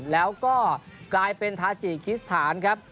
แล้วก็กลายเป็นทาจิคิสถานครับ